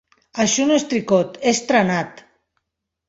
Això no és tricot, és trenat.